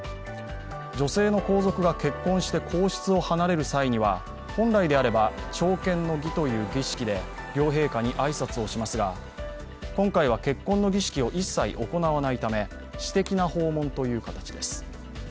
女性の皇族が結婚して皇室を離れる際には本来であれば朝見の儀という儀式で両陛下に挨拶をしますが今回は結婚の儀式を一切行わないため私的な訪問という形です。